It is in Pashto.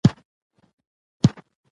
زیرمې پټ دي.